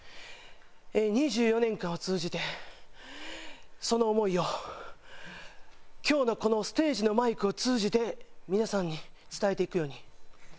２４年間を通じてその思いを今日のこのステージのマイクを通じて皆さんに伝えていくように。